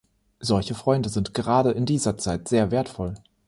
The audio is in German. Solche Freunde sind gerade in dieser Zeit sehr wertvoll.